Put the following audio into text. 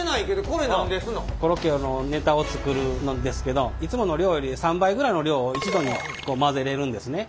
コロッケ用のネタを作るんですけどいつもの量より３倍ぐらいの量を一度に混ぜれるんですね。